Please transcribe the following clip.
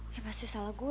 ya pasti salah gue sih